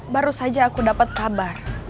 baru saja aku dapat kabar